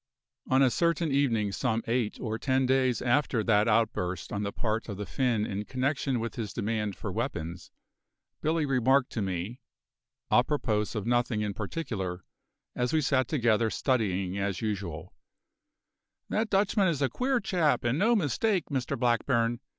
On a certain evening, some eight or ten days after that outburst on the part of the Finn in connection with his demand for weapons, Billy remarked to me, apropos of nothing in particular, as we sat together studying as usual: "That Dutchman is a queer chap and no mistake, Mr Blackburn.